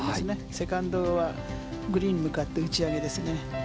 セカンドはグリーンに向かって打ち上げですね。